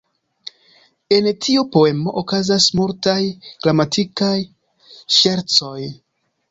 En tiu poemo okazas multaj gramatikaj ŝercoj.